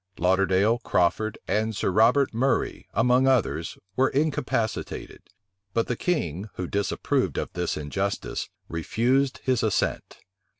Lauderdale, Crawford, and Sir Robert Murray, among others, were incapacitated: but the king, who disapproved of this injustice, refused his assent.